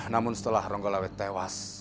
namun setelah ronggolawe tewas